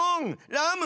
ラム！